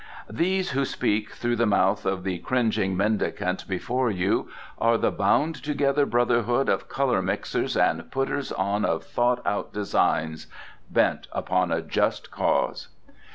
"These who speak through the mouth of the cringing mendicant before you are the Bound together Brotherhood of Colour mixers and Putters on of Thought out Designs, bent upon a just cause."